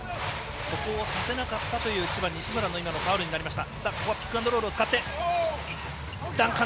そこをさせなかった千葉の西村のファウルになりました。